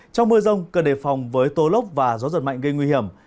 trong mưa rông cần đề phòng với tố lốc và gió giật mạnh gây nguy hiểm